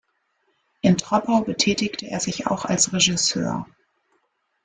In Troppau betätigte er sich auch als Regisseur.